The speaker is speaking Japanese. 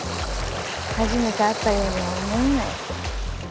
初めて会ったようには思えない。